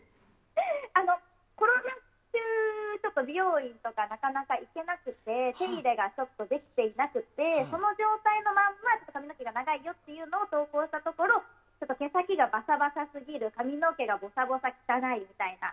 コロナ中、美容院とかなかなか行けなくて手入れがちょっとできていなくてその状態のまま髪の毛が長いよというのが投稿したところ毛先がバサバサすぎる髪の毛がボサボサ、汚いみたいな。